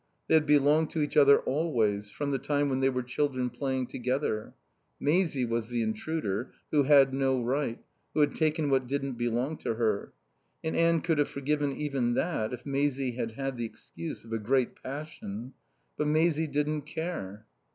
They had belonged to each other, always, from the time when they were children playing together. Maisie was the intruder, who had no right, who had taken what didn't belong to her. And Anne could have forgiven even that if Maisie had had the excuse of a great passion; but Maisie didn't care.